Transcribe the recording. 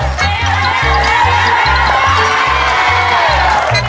สี่